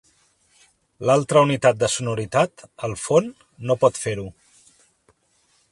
L'altra unitat de sonoritat, el fon, no pot fer-ho.